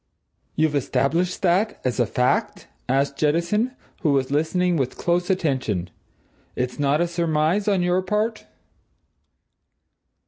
"You've established that as a fact?" asked Jettison, who was listening with close attention. "It's not a surmise on your part?"